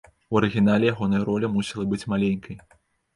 У арыгінале ягоная роля мусіла быць маленькай.